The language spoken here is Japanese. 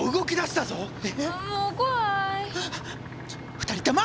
２人とも！